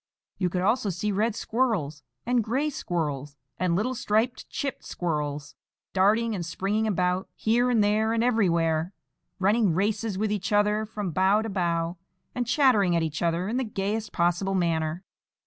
You could also see red squirrels, and gray squirrels, and little striped chip squirrels, darting and springing about, here and there and everywhere, running races with each other from bough to bough, and chattering at each other in the gayest possible manner.